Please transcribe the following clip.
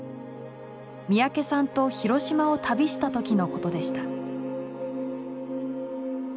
三宅さんと広島を旅したときのことでした。